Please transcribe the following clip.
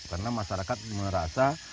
karena masyarakat merasa